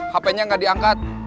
hp nya nggak diangkat